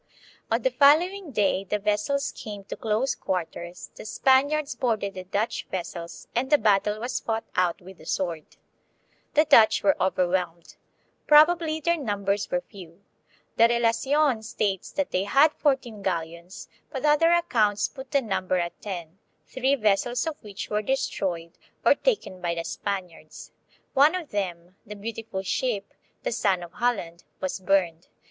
On the following day the vessels came to close quarters, the Spaniards boarded the Dutch vessels, and the battle was fought out with the sword. The Dutch were overwhelmed. Probably their num bers were few. The Relation states they had fourteen galleons, but other accounts put the number at ten, three vessels of which were destroyed or taken by the Spaniards. One of them, the beautiful ship, "The Sun of Holland," was burned.